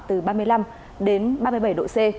từ ba mươi năm đến ba mươi bảy độ c